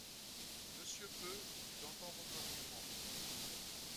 Monsieur Peu, j’entends votre argument.